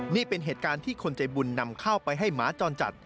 นี่เป็นเหตุการณ์ที่คนใจบุญนำข้าวไปให้หมาจรจัด